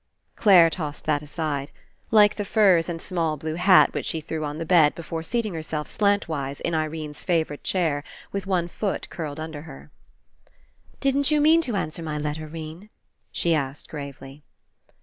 Clare tossed that aside. Like the furs and small blue hat which she threw on the bed before seating herself slantwise in Irene's fa vourite chair, with one foot curled under her. "Didn't you mern to answer my letter, *Rene?" she asked gravely.